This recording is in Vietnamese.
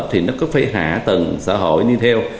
thì nó có phải hạ tầng xã hội đi theo